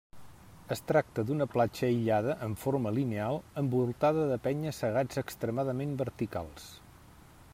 Es tracta d'una platja aïllada en forma lineal, envoltada de penya-segats extremadament verticals.